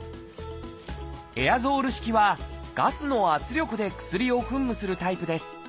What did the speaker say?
エアゾール式はガスの圧力で薬を噴霧するタイプです。